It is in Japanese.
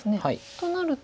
となると？